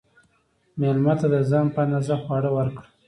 مېلمه ته د ځان په اندازه خواړه ورکړه.